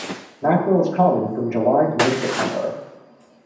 Mackerel is common from July to mid-September.